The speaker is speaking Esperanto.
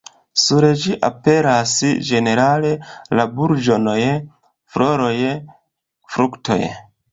Sur ĝi aperas ĝenerale la burĝonoj, floroj, fruktoj.